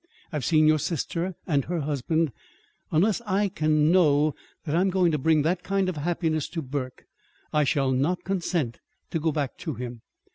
I've seen your sister and her husband. Unless I can know that I'm going to bring that kind of happiness to Burke, I shall not consent to go back to him.